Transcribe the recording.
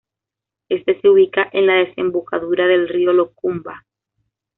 Este se ubica en la desembocadura del río Locumba.